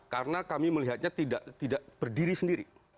karena kami melihatnya tidak berdiri sendiri